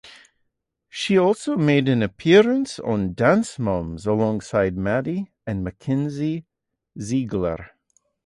She also made an appearance on "Dance Moms" alongside Maddie and Mackenzie Ziegler.